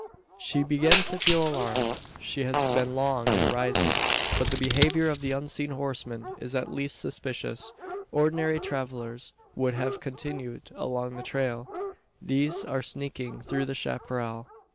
She begins to feel alarm. It has been long in arising; but the behaviour of the unseen horsemen is at least suspicious. Ordinary travellers would have continued along the trail. These are sneaking through the chapparal!